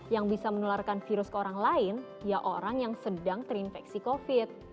yang bisa menularkan virus ke orang lain ya orang yang sedang terinfeksi covid